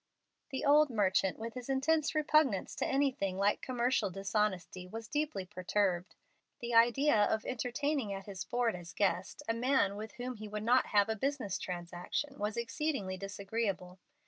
The old merchant, with his intense repugnance to anything like commercial dishonesty, was deeply perturbed. The idea of entertaining at his board as guest a man with whom he would not have a business transaction was exceedingly disagreeable.